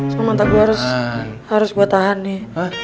soal mantak gue harus gue tahan ya